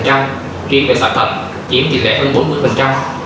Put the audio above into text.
riêng về sọ thần chiếm tỷ lệ hơn bốn mươi